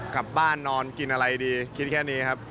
กลับบ้านนอนกินอะไรดีคิดแค่นี้ครับ